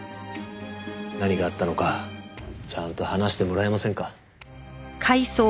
何があったのかちゃんと話してもらえませんか？